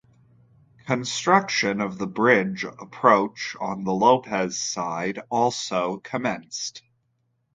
Construction of the bridge approach on the Lopez side also commenced.